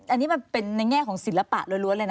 อันนี้มันเป็นในแง่ของศิลปะล้วนเลยนะ